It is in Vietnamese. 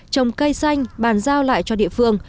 trồng cây xanh bàn giao lại cho địa phương